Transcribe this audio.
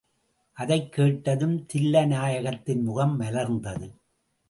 அதைக் கேட்டதும் தில்லைநாயகத்தின் முகம் மலர்ந்தது.